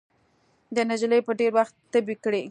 د نجلۍ به ډېر وخت تبې کېدې.